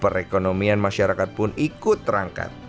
perekonomian masyarakat pun ikut terangkat